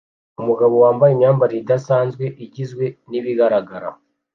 Umugabo wambaye imyambarire idasanzwe igizwe nibigaragara